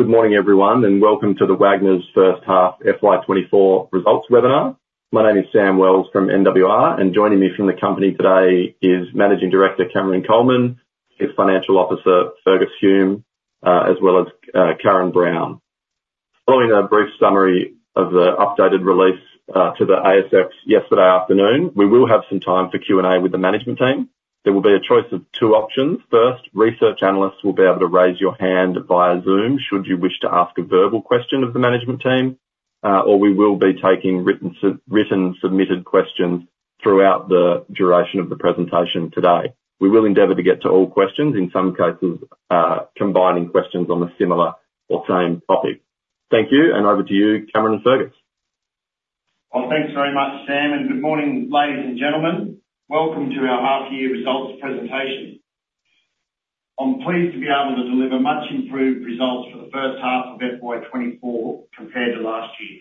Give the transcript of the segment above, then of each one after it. Good morning, everyone, and welcome to the Wagners first half FY 2024 results webinar. My name is Sam Wells from NWR, and joining me from the company today is Managing Director Cameron Coleman, Chief Financial Officer Fergus Hume, as well as Karen Brown. Following a brief summary of the updated release to the ASX yesterday afternoon, we will have some time for Q&A with the management team. There will be a choice of two options: first, research analysts will be able to raise your hand via Zoom should you wish to ask a verbal question of the management team, or we will be taking written submitted questions throughout the duration of the presentation today. We will endeavor to get to all questions, in some cases combining questions on a similar or same topic. Thank you, and over to you, Cameron and Fergus. Well, thanks very much, Sam, and good morning, ladies and gentlemen. Welcome to our half year results presentation. I'm pleased to be able to deliver much improved results for the first half of FY 2024 compared to last year.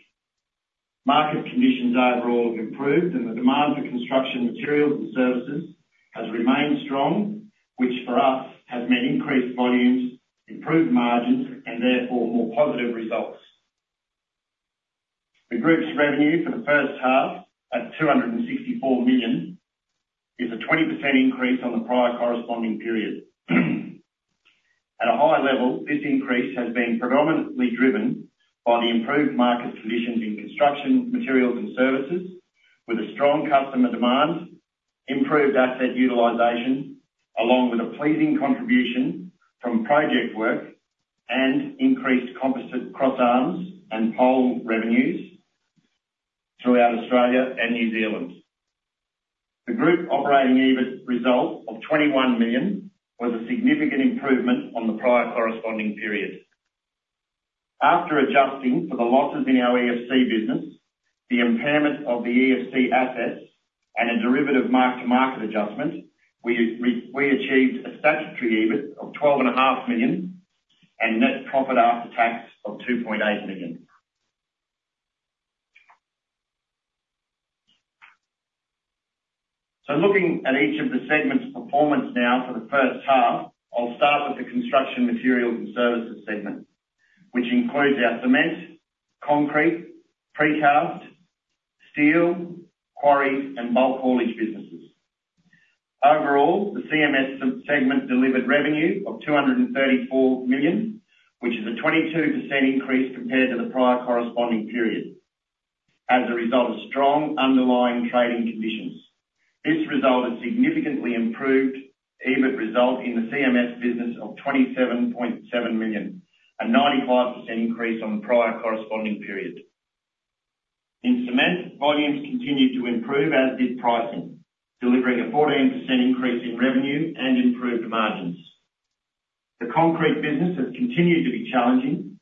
Market conditions overall have improved, and the demand for Construction Materials and Services has remained strong, which for us, has meant increased volumes, improved margins, and therefore, more positive results. The group's revenue for the first half, at 264 million, is a 20% increase on the prior corresponding period. At a high level, this increase has been predominantly driven by the improved market positions in construction, materials, and services, with a strong customer demand, improved asset utilization, along with a pleasing contribution from project work, and increased composite crossarms and pole revenues throughout Australia and New Zealand. The group operating EBIT result of 21 million was a significant improvement on the prior corresponding period. After adjusting for the losses in our EFC business, the impairment of the EFC assets, and a derivative mark-to-market adjustment, we achieved a statutory EBIT of 12.5 million, and net profit after tax of 2.8 million. So looking at each of the segments' performance now for the first half, I'll start with the construction materials and services segment, which includes our cement, concrete, precast, steel, quarry, and bulk haulage businesses. Overall, the CMS sub-segment delivered revenue of 234 million, which is a 22% increase compared to the prior corresponding period, as a result of strong underlying trading conditions. This result has significantly improved EBIT result in the CMS business of 27.7 million, a 95% increase on the prior corresponding period. In cement, volumes continued to improve, as did pricing, delivering a 14% increase in revenue and improved margins. The concrete business has continued to be challenging,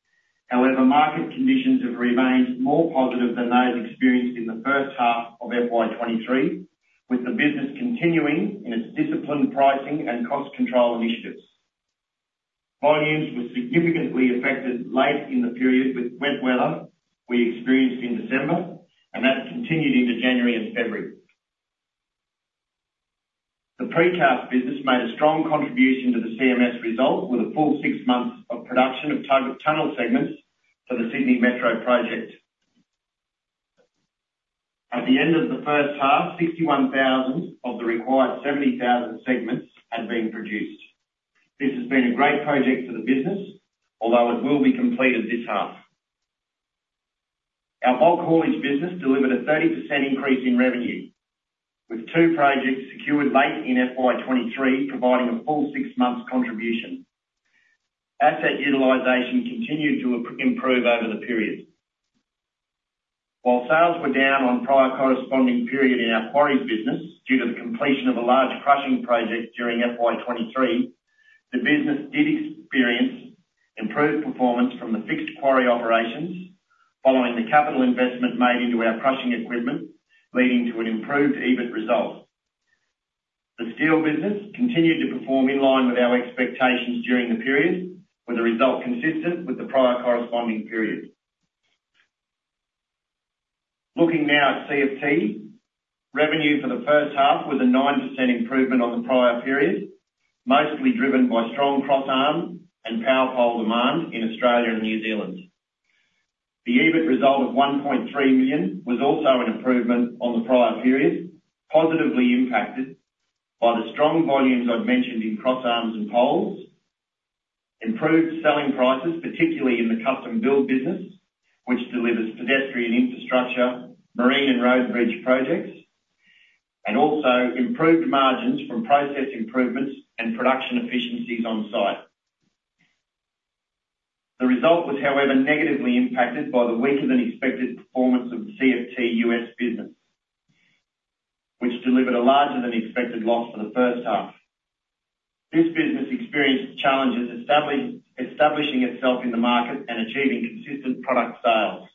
however, market conditions have remained more positive than those experienced in the first half of FY 2023, with the business continuing in its disciplined pricing and cost control initiatives. Volumes were significantly affected late in the period with wet weather we experienced in December, and that's continued into January and February. The precast business made a strong contribution to the CMS result with a full six months of production of tunnel segments for the Sydney Metro project. At the end of the first half, 61,000 of the required 70,000 segments had been produced. This has been a great project for the business, although it will be completed this half. Our bulk haulage business delivered a 30% increase in revenue, with two projects secured late in FY 2023, providing a full six months contribution. Asset utilization continued to improve over the period. While sales were down on prior corresponding period in our quarries business, due to the completion of a large crushing project during FY 2023, the business did experience improved performance from the fixed quarry operations, following the capital investment made into our crushing equipment, leading to an improved EBIT result. The steel business continued to perform in line with our expectations during the period, with the result consistent with the prior corresponding period. Looking now at CFT. Revenue for the first half was a 9% improvement on the prior period, mostly driven by strong crossarm and power pole demand in Australia and New Zealand. The EBIT result of 1.3 million was also an improvement on the prior period, positively impacted by the strong volumes I've mentioned in crossarms and poles, improved selling prices, particularly in the Custom build business, which delivers pedestrian infrastructure, marine and road bridge projects, and also improved margins from process improvements and production efficiencies on site. The result was, however, negatively impacted by the weaker-than-expected performance of the CFT US business, which delivered a larger-than-expected loss for the first half. This business experienced challenges establishing itself in the market and achieving consistent product sales,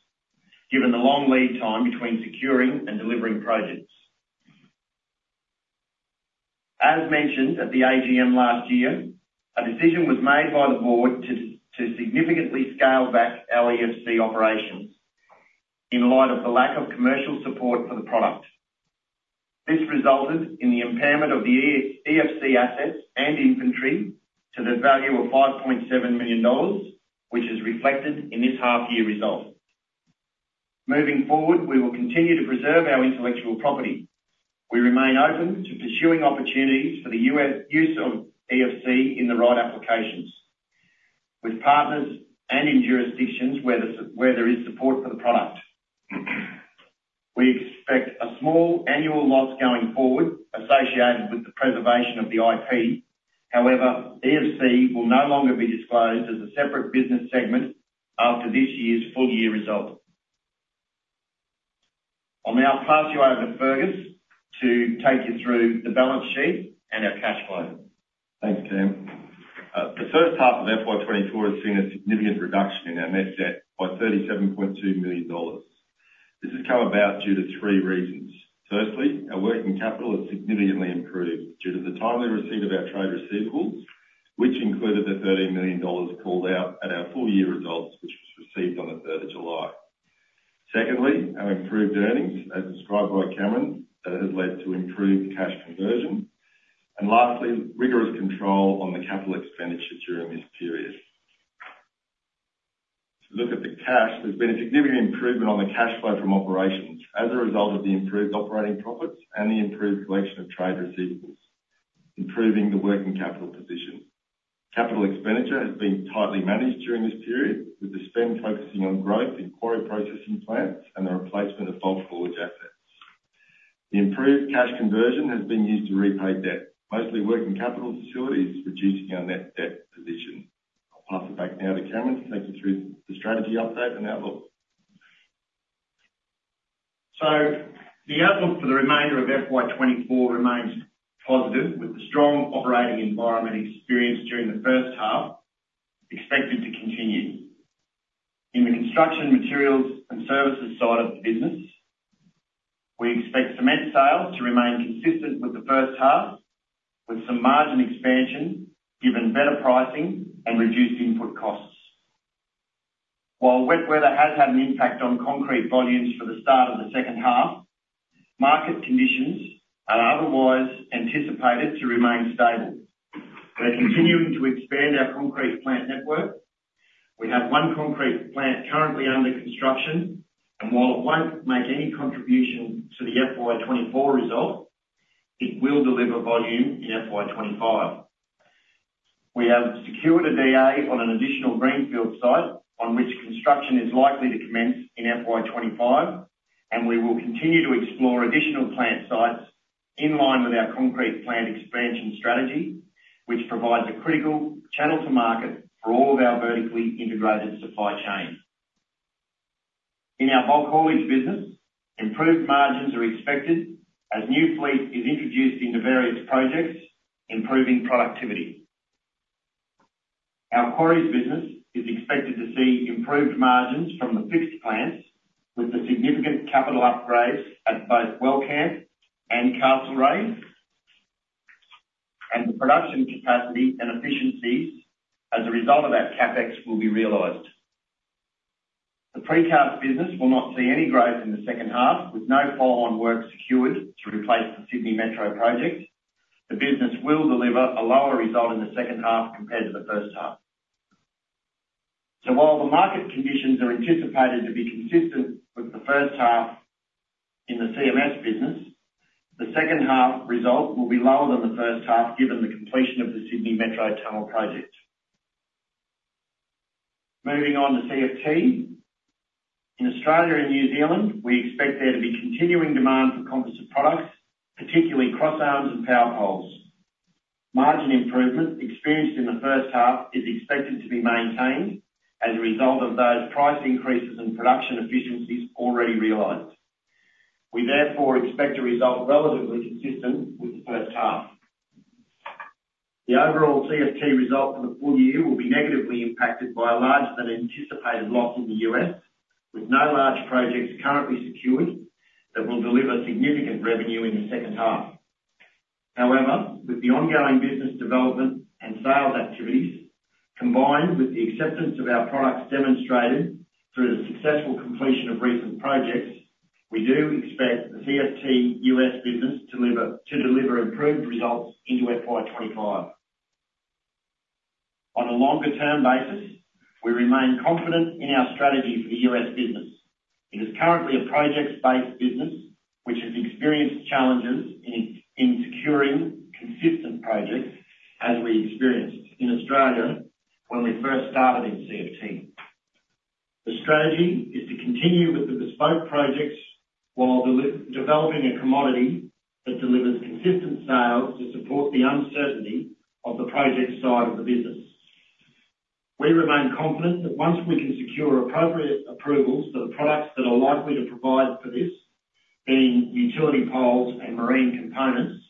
given the long lead time between securing and delivering projects. As mentioned at the AGM last year, a decision was made by the board to significantly scale back our EFC operations in light of the lack of commercial support for the product. This resulted in the impairment of the EFC assets and inventory to the value of $5.7 million, which is reflected in this half year result. Moving forward, we will continue to preserve our intellectual property. We remain open to pursuing opportunities for the use of EFC in the right applications, with partners and in jurisdictions where there is support for the product. We expect a small annual loss going forward, associated with the preservation of the IP. However, EFC will no longer be disclosed as a separate business segment after this year's full year result. I'll now pass you over to Fergus, to take you through the balance sheet and our cash flow. Thanks, Cam. The first half of FY 2024 has seen a significant reduction in our net debt by $37.2 million. This has come about due to three reasons: firstly, our working capital has significantly improved due to the timely receipt of our trade receivables, which included the $13 million called out at our full year results, which was received on the third of July. Secondly, our improved earnings, as described by Cameron, has led to improved cash conversion. And lastly, rigorous control on the capital expenditure during this period. To look at the cash, there's been a significant improvement on the cash flow from operations as a result of the improved operating profits and the improved collection of trade receivables, improving the working capital position. Capital expenditure has been tightly managed during this period, with the spend focusing on growth in quarry processing plants and the replacement of bulk haulage assets. The improved cash conversion has been used to repay debt, mostly working capital facilities, reducing our net debt position. I'll pass it back now to Cameron, to take you through the strategy update and outlook. So the outlook for the remainder of FY 2024 remains positive, with the strong operating environment experienced during the first half expected to continue. In the construction materials and services side of the business, we expect cement sales to remain consistent with the first half, with some margin expansion, given better pricing and reduced input costs. While wet weather has had an impact on concrete volumes for the start of the second half, market conditions are otherwise anticipated to remain stable. We're continuing to expand our concrete plant network. We have one concrete plant currently under construction, and while it won't make any contribution to the FY 2024 result, it will deliver volume in FY 2025. We have secured a DA on an additional greenfield site, on which construction is likely to commence in FY 2025, and we will continue to explore additional plant sites in line with our concrete plant expansion strategy, which provides a critical channel to market for all of our vertically integrated supply chain. In our bulk haulage business, improved margins are expected as new fleet is introduced into various projects, improving productivity. Our quarries business is expected to see improved margins from the fixed plants, with the significant capital upgrades at both Wellcamp and Castlemaine, and the production capacity and efficiencies as a result of that CapEx will be realized. The precast business will not see any growth in the second half, with no follow-on work secured to replace the Sydney Metro project. The business will deliver a lower result in the second half compared to the first half. So while the market conditions are anticipated to be consistent with the first half in the CMS business, the second half result will be lower than the first half, given the completion of the Sydney Metro tunnel project. Moving on to CFT. In Australia and New Zealand, we expect there to be continuing demand for composite products, particularly crossarms and power poles. Margin improvement experienced in the first half is expected to be maintained as a result of those price increases and production efficiencies already realized. We therefore expect a result relatively consistent with the first half. The overall CFT result for the full year will be negatively impacted by a larger than anticipated loss in the U.S., with no large projects currently secured, that will deliver significant revenue in the second half. However, with the ongoing business development and sales activities, combined with the acceptance of our products demonstrated through the successful completion of recent projects, we do expect the CFT US business to deliver improved results into FY 2025. On a longer term basis, we remain confident in our strategy for the US business. It is currently a projects-based business, which has experienced challenges in securing consistent projects, as we experienced in Australia when we first started in CFT. The strategy is to continue with the bespoke projects while developing a commodity that delivers consistent sales to support the uncertainty of the project side of the business. We remain confident that once we can secure appropriate approvals for the products that are likely to provide for this, being utility poles and marine components,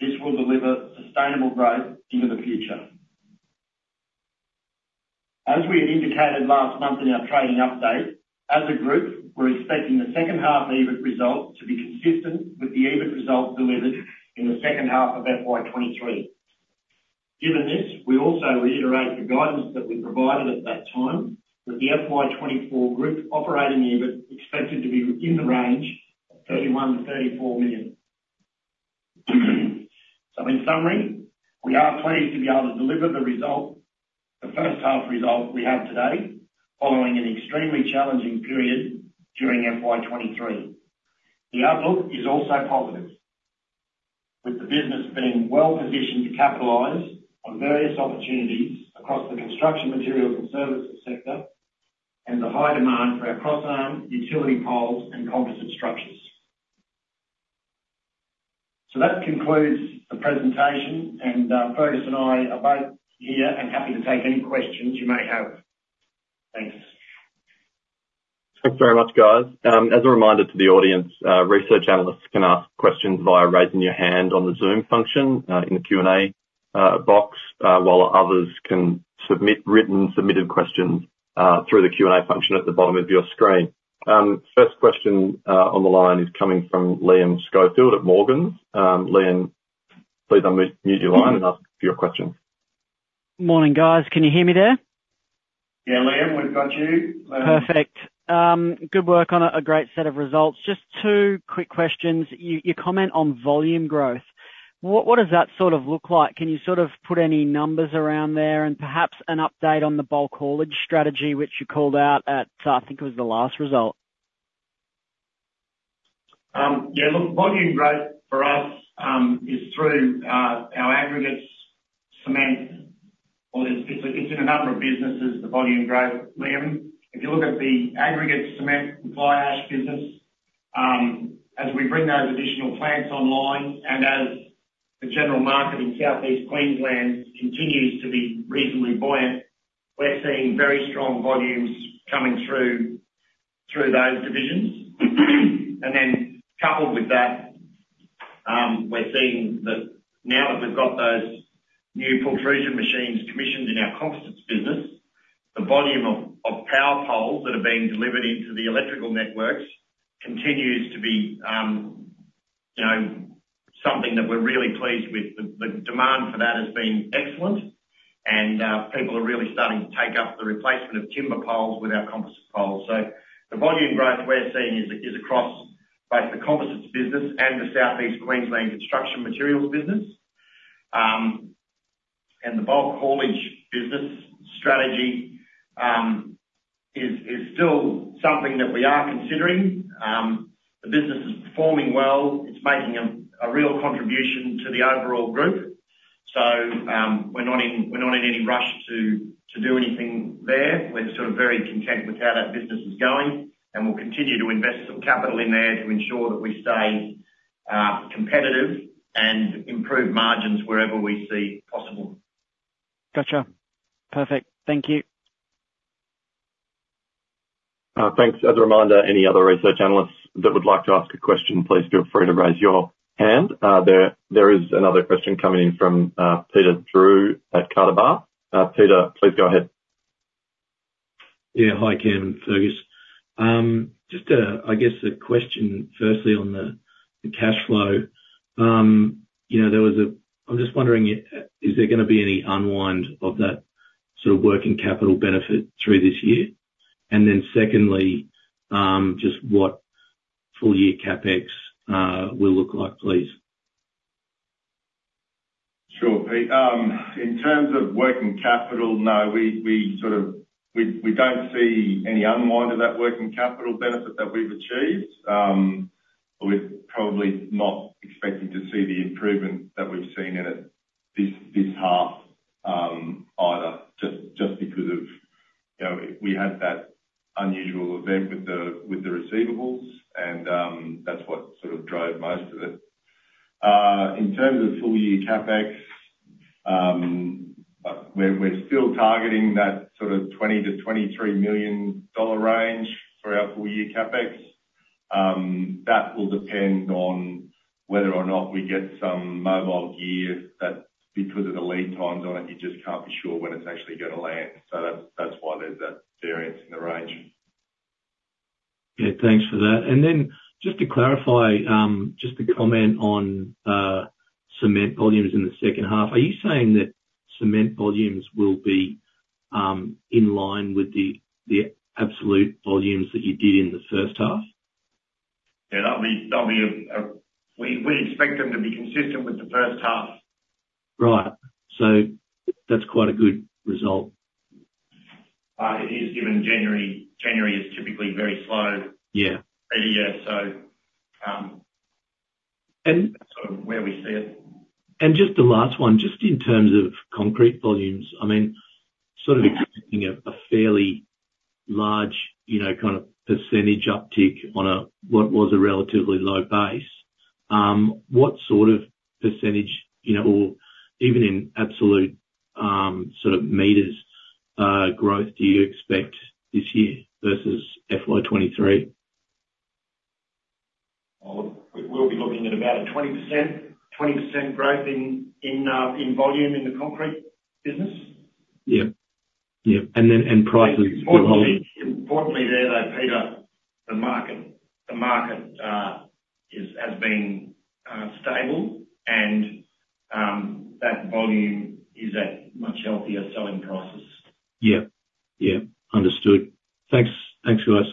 this will deliver sustainable growth into the future. As we had indicated last month in our trading update, as a group, we're expecting the second half EBIT result to be consistent with the EBIT result delivered in the second half of FY 2023. Given this, we also reiterate the guidance that we provided at that time, that the FY 2024 group operating EBIT is expected to be within the range of 31 million-34 million. So in summary, we are pleased to be able to deliver the result, the first half result we have today, following an extremely challenging period during FY 2023. The outlook is also positive, with the business being well positioned to capitalize on various opportunities across the construction materials and services sector, and the high demand for our crossarm, utility poles, and composite structures. So that concludes the presentation, and Fergus and I are both here and happy to take any questions you may have. Thanks. Thanks very much, guys. As a reminder to the audience, research analysts can ask questions via raising your hand on the Zoom function, in the Q&A box, while others can submit written questions through the Q&A function at the bottom of your screen. First question on the line is coming from Liam Schofield at Morgans. Liam, please unmute your line and ask your question. Morning, guys. Can you hear me there? Yeah, Liam, we've got you. Perfect. Good work on a great set of results. Just two quick questions. You comment on volume growth. What does that sort of look like? Can you sort of put any numbers around there, and perhaps an update on the bulk haulage strategy, which you called out at, I think it was the last result? Yeah, look, volume growth for us is through our aggregates, cement. Well, it's in a number of businesses, the volume growth, Liam. If you look at the aggregates, cement and fly ash business, as we bring those additional plants online, and as the general market in South East Queensland continues to be reasonably buoyant, we're seeing very strong volumes coming through those divisions. And then coupled with that, we're seeing that now that we've got those new pulverization machines commissioned in our composites business, the volume of power poles that are being delivered into the electrical networks continues to be, you know, something that we're really pleased with. The demand for that has been excellent, and people are really starting to take up the replacement of timber poles with our composite poles. So the volume growth we're seeing is across both the composites business and the South East Queensland Construction Materials business. And the bulk haulage business strategy is still something that we are considering. The business is performing well. It's making a real contribution to the overall group. So, we're not in any rush to do anything there. We're sort of very content with how that business is going, and we'll continue to invest some capital in there to ensure that we stay competitive and improve margins wherever we see possible. Gotcha. Perfect. Thank you. Thanks. As a reminder, any other research analysts that would like to ask a question, please feel free to raise your hand. There is another question coming in from Peter Drew at Canaccord Genuity. Peter, please go ahead. Yeah. Hi, Cam and Fergus. Just a, I guess, a question firstly on the cash flow. You know, I'm just wondering, is there gonna be any unwind of that sort of working capital benefit through this year? And then secondly, just what full year CapEx will look like, please? Sure, Peter. In terms of working capital, no, we sort of, we don't see any unwind of that working capital benefit that we've achieved. We're probably not expecting to see the improvement that we've seen in it this half, either, just because of, you know, we had that unusual event with the receivables, and, that's what sort of drove most of it. In terms of full year CapEx, we're still targeting that sort of $20 million-$23 million range for our full year CapEx. That will depend on whether or not we get some mobile gear, that because of the lead times on it, you just can't be sure when it's actually gonna land. So that's why there's that variance in the range. Yeah, thanks for that. And then just to clarify, just to comment on cement volumes in the second half, are you saying that cement volumes will be in line with the absolute volumes that you did in the first half? Yeah, that'll be. We expect them to be consistent with the first half. Right. So that's quite a good result. It is, given January, January is typically very slow. Yeah. Every year, so- And- Sort of where we see it. Just the last one, just in terms of concrete volumes, I mean, sort of expecting a fairly large, you know, kind of percentage uptick on a what was a relatively low base. What sort of percentage, you know, or even in absolute, sort of meters, growth do you expect this year versus FY 2023? Well, we'll be looking at about 20% growth in volume in the concrete business. Yeah... Yeah, and then, and prices are holding? Importantly there, though, Peter, the market, the market has been stable, and that volume is at much healthier selling prices. Yeah. Yeah, understood. Thanks. Thanks, guys.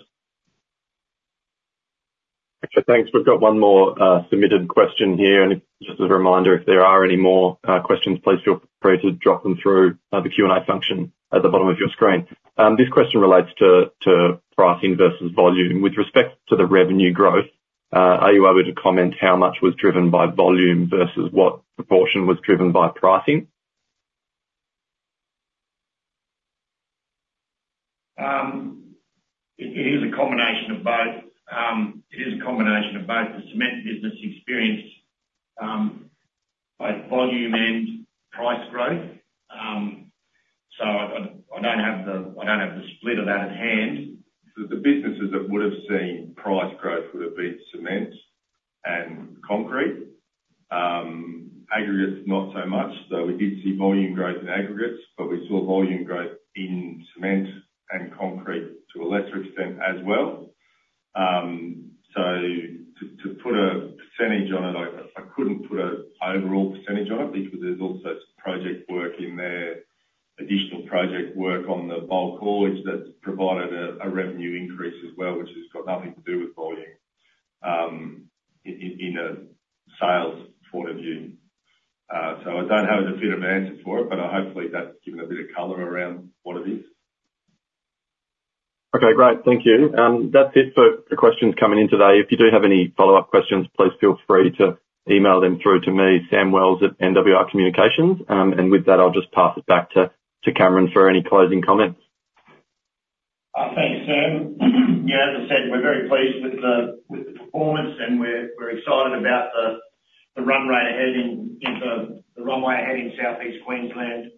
Okay, thanks. We've got one more submitted question here, and just as a reminder, if there are any more questions, please feel free to drop them through the Q&A function at the bottom of your screen. This question relates to pricing versus volume. With respect to the revenue growth, are you able to comment how much was driven by volume versus what proportion was driven by pricing? It is a combination of both. It is a combination of both. The cement business experienced both volume and price growth. So I don't have the split of that at hand. So the businesses that would've seen price growth would've been cement and concrete. Aggregates, not so much, though we did see volume growth in aggregates, but we saw volume growth in cement and concrete to a lesser extent as well. So to put a percentage on it, I couldn't put an overall percentage on it, because there's also project work in there, additional project work on the bulk haulage that's provided a revenue increase as well, which has got nothing to do with volume, in a sales point of view. So I don't have a definitive answer for it, but hopefully that's given a bit of color around what it is. Okay, great. Thank you. That's it for the questions coming in today. If you do have any follow-up questions, please feel free to email them through to me, Sam Wells, at NWR Communications. And with that, I'll just pass it back to Cameron for any closing comments. Thanks, Sam. Yeah, as I said, we're very pleased with the performance, and we're excited about the runway ahead in South East Queensland.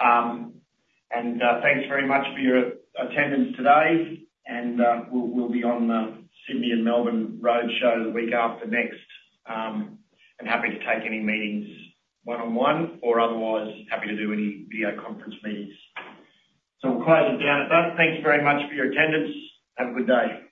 And thanks very much for your attendance today, and we'll be on the Sydney and Melbourne roadshow the week after next. And happy to take any meetings one-on-one, or otherwise, happy to do any video conference meetings. So we'll close it down at that. Thanks very much for your attendance. Have a good day.